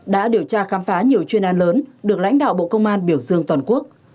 đã điều tra khám phá nhiều chuyên an lớn được lãnh đạo bộ công an biểu dương toàn quốc